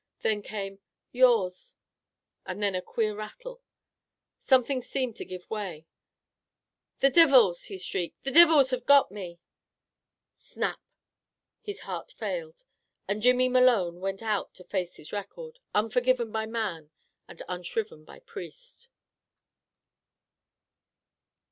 Then came "yours" and then a queer rattle. Something seemed to give way. "The Divils!" he shrieked. "The Divils have got me!" Snap! his heart failed, and Jimmy Malone went out to face his record, unforgiven by man, and unshriven by priest.